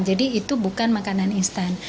jadi itu bukan makanan instan